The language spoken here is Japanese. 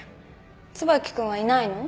椿君はいないの？